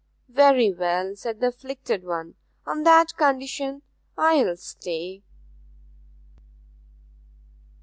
'Very well,' said the afflicted one. 'On that condition I'll stay.'